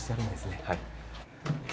はい。